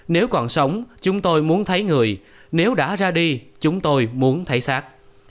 nếu còn sống chúng tôi muốn thấy người nếu đã ra đi chúng tôi muốn thấy sát